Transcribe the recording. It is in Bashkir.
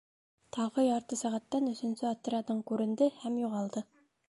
Тағы ярты сәғәттән өсөнсө отрядың күренде, һәм юғалды.